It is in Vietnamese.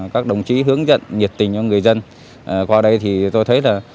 các đồng chí hướng dẫn nhiệt tình cho người dân qua đây thì tôi thấy là